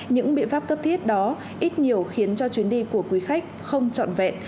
những biện pháp cấp thiết đó ít nhiều khiến cho chuyến đi của quý khách không trọn vẹn